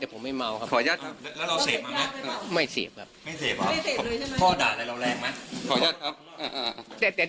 แต่พ่อผมยังมีชีวิตอยู่นะครับพูดประโยคนี้ประมาณ๓รอบ